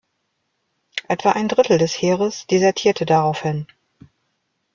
Etwa ein Drittel des Heeres desertierte daraufhin.